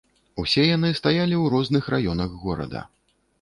Усе яны стаялі ў розных раёнах горада.